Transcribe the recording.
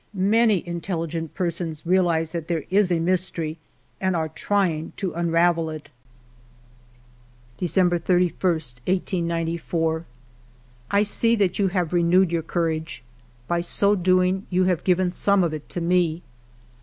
Many intelligent persons realize that there is a mystery and are trying to unravel it.'* 34 FIVE YEARS OF MY LIFE "December 31, 1894. " I see that you have renewed your courage. By so doing you have given some of it to me.